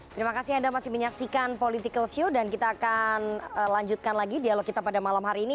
terima kasih anda masih menyaksikan political show dan kita akan lanjutkan lagi dialog kita pada malam hari ini